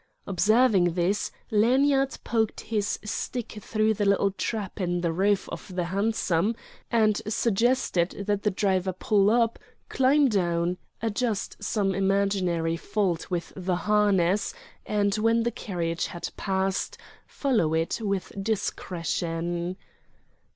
Observing this, Lanyard poked his stick through the little trap in the roof of the hansom and suggested that the driver pull up, climb down, adjust some imaginary fault with the harness and, when the carriage had passed, follow it with discretion.